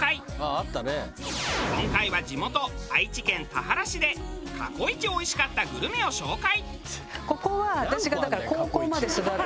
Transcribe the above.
今回は地元愛知県田原市で過去イチおいしかったグルメを紹介。